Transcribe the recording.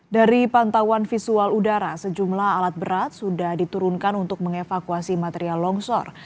dari pantauan visual udara sejumlah alat berat sudah diturunkan untuk mengevakuasi material longsor